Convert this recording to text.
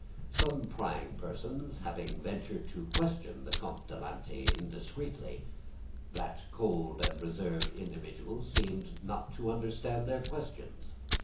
Some prying persons having ventured to question the Comte de Lanty indiscreetly, that cold and reserved individual seemed not to understand their questions.